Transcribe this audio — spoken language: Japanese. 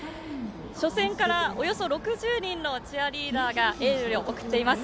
初戦からおよそ６０人のチアリーダーがエールを送っています。